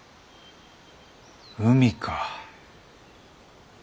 海か。